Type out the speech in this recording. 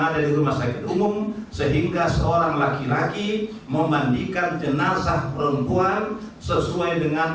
ada di rumah sakit umum sehingga seorang laki laki memandikan jenazah perempuan sesuai dengan